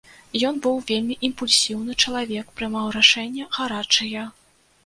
Ён быў вельмі імпульсіўны чалавек, прымаў рашэнні гарачыя.